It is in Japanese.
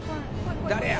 誰や？